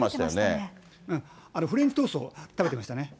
うん、フレンチトーストを食べてましたね。